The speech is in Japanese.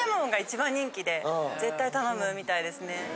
絶対頼むみたいですね。